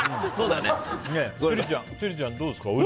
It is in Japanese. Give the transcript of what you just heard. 千里ちゃん、どうですか？